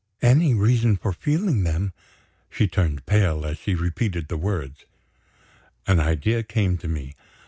"Any reason for feeling them?" She turned pale as she repeated the words. An idea came to me.